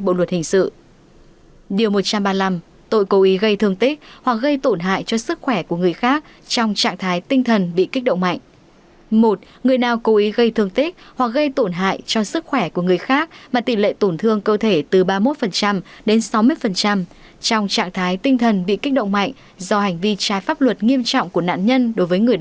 b gây thương tích hoặc gây tổn hại cho sức khỏe của người khác mà tỷ lệ tổn thương cơ thể sáu mươi một trở lên hoặc dẫn đến chết người